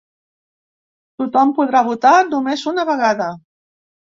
Tothom podrà votar només una vegada.